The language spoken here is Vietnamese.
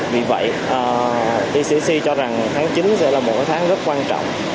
vì vậy icc cho rằng tháng chín sẽ là một tháng rất quan trọng